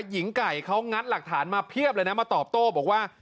หญิงไก่เขางัดหลักฐานมาเพียบเลยนะมาตอบโต้บอกว่า